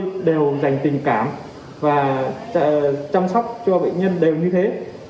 tôi đều dành tình cảm và chăm sóc cho bệnh nhân đều như thế